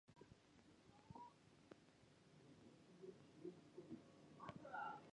All the six Rajput chieftains engaged in the charge were slain.